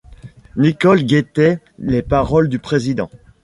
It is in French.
Nicholl guettait les paroles du président.